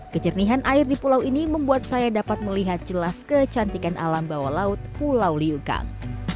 kejernihan air di pulau ini membuat saya dapat melihat jelas kecantikan alam bawah laut pulau liukang